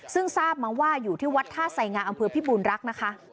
ซึ่งทราบมาว่าอยู่ที่วัดท่าไสงาอำเภอพิบูรณรักนะคะ